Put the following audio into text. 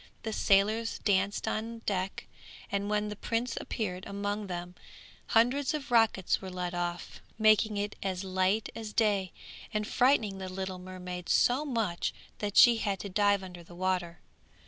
The sailors danced on deck, and when the prince appeared among them hundreds of rockets were let off making it as light as day, and frightening the little mermaid so much that she had to dive under the water.